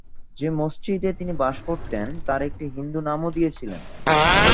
যে মসজিদে তিনি বাস করতেন, তার একটি হিন্দু নামও দিয়েছিলেন।